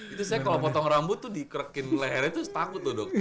itu saya kalau potong rambut tuh dikerekin lehernya tuh takut loh dok